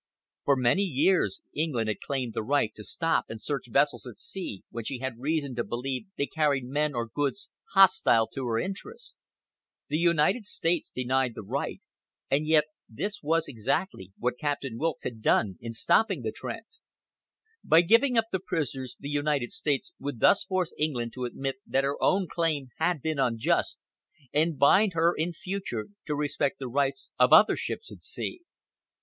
For many years England had claimed the right to stop and search vessels at sea when she had reason to believe they carried men or goods hostile to her interests. The United States denied the right, and yet this was exactly what Captain Wilkes had done in stopping the Trent. By giving up the prisoners the United States would thus force England to admit that her own claim had been unjust, and bind her in future to respect the rights of other ships at sea.